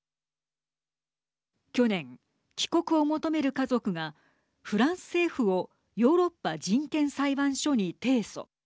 去年、帰国を求める家族がフランス政府をヨーロッパ人権裁判所に提訴。